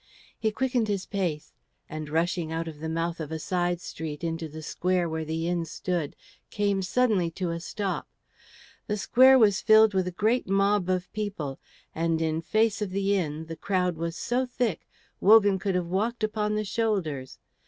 He quickened his pace, and rushing out of the mouth of a side street into the square where the inn stood, came suddenly to a stop. The square was filled with a great mob of people, and in face of the inn the crowd was so thick Wogan could have walked upon the shoulders.